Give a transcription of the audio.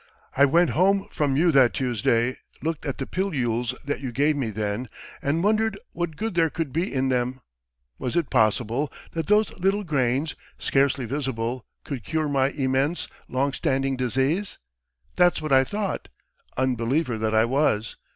I went home from you that Tuesday, looked at the pilules that you gave me then, and wondered what good there could be in them. Was it possible that those little grains, scarcely visible, could cure my immense, long standing disease? That's what I thought unbeliever that I was!